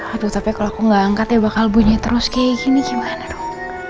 aduh tapi kalau aku gak angkat ya bakal bunyi terus kayak gini gimana dong